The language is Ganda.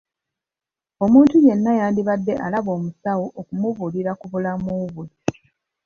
Omuntu yenna yandibadde alaba omusawo okumubuulira ku bulamu bwe.